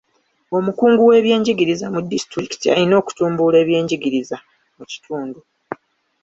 Omukungu w'ebyenjigiriza mu disitulikiti alina okutumbula ebyenjigiriza mu kitundu.